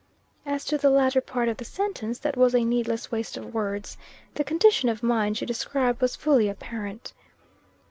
As to the latter part of the sentence, that was a needless waste of words. The condition of mind she described was fully apparent.